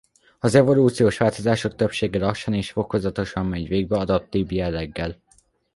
Az evolúciós változások többsége lassan és fokozatosan megy végbe adaptív jelleggel.